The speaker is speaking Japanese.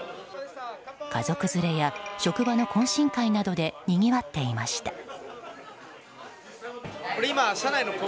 家族連れや職場の懇親会などでにぎわっていました。